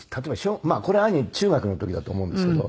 これ兄中学の時だと思うんですけど。